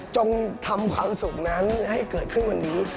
ทำความสุขนั้นให้เกิดขึ้นวันนี้